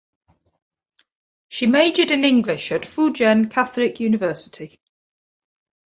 She majored in English at Fu Jen Catholic University.